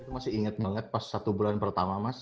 masih ingat banget pas satu bulan pertama mas